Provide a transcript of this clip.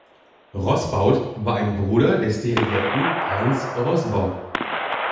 Rosbaud war ein Bruder des Dirigenten Hans Rosbaud.